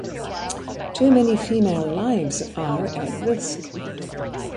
Too many female lives are at risk.